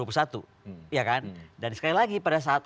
iya kan dan sekali lagi pada saat